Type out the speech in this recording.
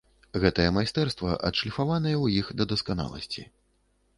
Гэтае майстэрства адшліфаванае ў іх да дасканаласці.